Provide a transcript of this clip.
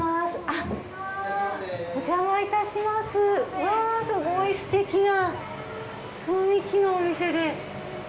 うわすごい素敵な雰囲気のお店で。